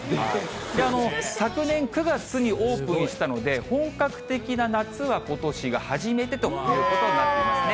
昨年９月にオープンしたので、本格的な夏は、ことしが初めてということになっていますね。